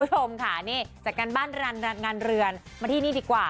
คุณผู้ชมค่ะนี่จากการบ้านงานเรือนมาที่นี่ดีกว่า